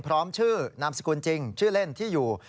พร้อมชื่อนามสกุลจริงชื่อเล่นที่อยู่